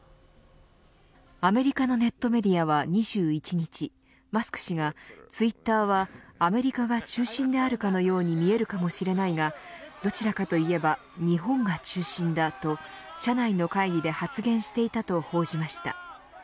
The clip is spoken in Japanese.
アメリカのネットメディアは２１日マスク氏が、ツイッターはアメリカが中心であるかのように見えるかもしれないがどちらかといえば日本が中心だと社内の会議で発言していたと報じました。